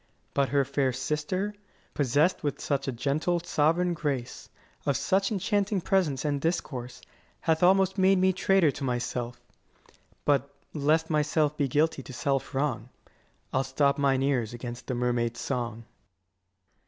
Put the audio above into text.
But her fair sister, Possess'd with such a gentle sovereign grace, Of such enchanting presence and discourse, Hath almost made me traitor to myself: 160 But, lest myself be guilty to self wrong, I'll stop mine ears against the mermaid's song.